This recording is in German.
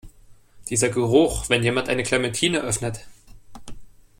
Dieser Geruch, wenn jemand eine Clementine öffnet!